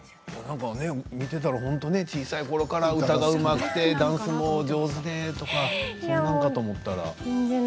見ていたら小さいころから歌がうまくて、ダンスもお上手でそんなんかと思ったら。